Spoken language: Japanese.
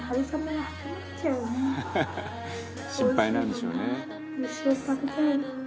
「心配なんでしょうね」